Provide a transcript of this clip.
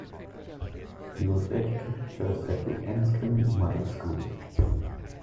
He was educated first at the Enniskillen Model School.